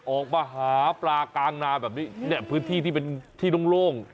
ออกมาหาปลากลางนาแบบนี้เนี่ยพื้นที่ที่เป็นที่โล่ง